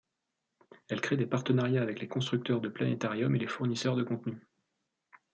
Elle crée des partenariats avec les constructeurs de planétarium et les fournisseurs de contenus.